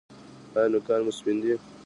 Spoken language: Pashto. ایا نوکان مو سپین دي؟